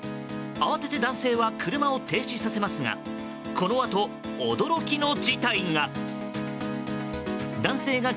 慌てて男性は車を停止させますがこのあと驚きの事態が。